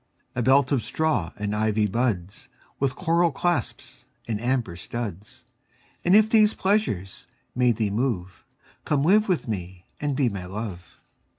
A belt of straw and ivy buds With coral clasps and amber studs: And if these pleasures may thee move, Come live with me and be my Love.